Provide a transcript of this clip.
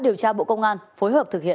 điều tra bộ công an phối hợp thực hiện